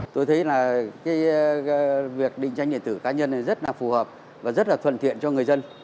tôi thấy việc định danh điện tử cá nhân rất là phù hợp và rất là thuận thiện cho người dân